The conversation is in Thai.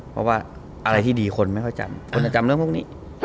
เพราะว่าอะไรที่ดีคนไม่ค่อยจำคนจะจำเรื่องพวกนี้